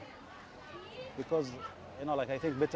akan kota bats